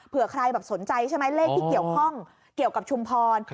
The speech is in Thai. ใครแบบสนใจใช่ไหมเลขที่เกี่ยวข้องเกี่ยวกับชุมพร